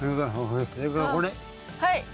はい。